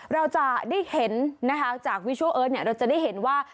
เราจะได้เห็นนะคะจากวิชัลเอิร์ทเราจะได้เห็นว่า